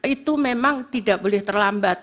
itu memang tidak boleh terlambat